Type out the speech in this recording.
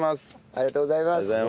ありがとうございます。